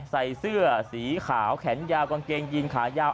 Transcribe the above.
ใส่เสื้อสีขาวแขนยาวกางเกงยีนขายาว